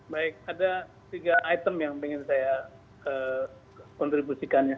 baik ada tiga item yang ingin saya kontribusikannya